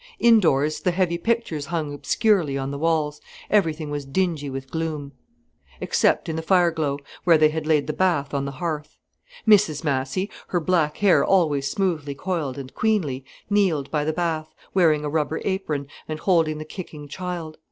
Indoors the heavy pictures hung obscurely on the walls, everything was dingy with gloom. Except in the fireglow, where they had laid the bath on the hearth. Mrs Massy, her black hair always smoothly coiled and queenly, kneeled by the bath, wearing a rubber apron, and holding the kicking child.